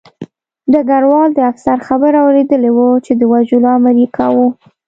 ډګروال د افسر خبره اورېدلې وه چې د وژلو امر یې کاوه